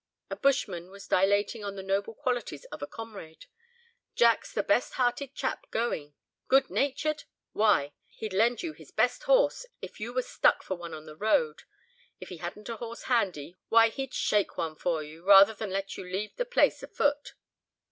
A bushman was dilating on the noble qualities of a comrade. 'Jack's the best hearted chap going; good natured? why, he'd lend you his best horse, if you was stuck for one on the road. If he hadn't a horse handy, why, he'd shake one for you, rather than let you leave the place afoot!